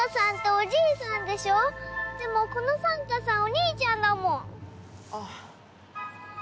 でもこのサンタさんお兄ちゃんだもん。あっ。